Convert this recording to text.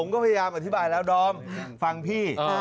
ก็พยายามอธิบายแล้วดอมฟังพี่